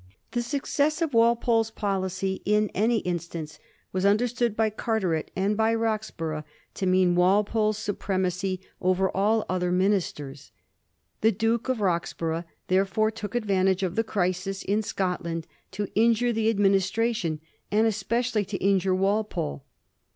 The success of Walpole's policy in any instance was understood by Carteret and by Roxburgh to mean Walpole's supremacy over aU other ministers. The Duke of Roxburgh therefore took advantage of the crisis in Scotland to injure the ad ministration, and especially to injure Walpole.